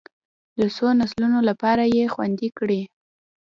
د څو نسلونو لپاره یې خوندي کړي.